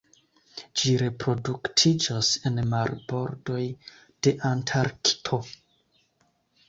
Ĝi reproduktiĝas en marbordoj de Antarkto.